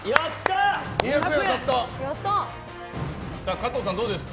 加藤さん、どうですか？